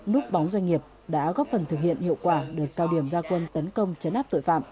núp bóng doanh nghiệp đã góp phần thực hiện hiệu quả đợt cao điểm gia quân tấn công chấn áp tội phạm